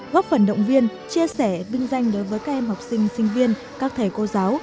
góp phần động viên chia sẻ vinh danh đối với các em học sinh sinh viên các thầy cô giáo